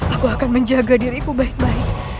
aku akan menjaga diriku baik baik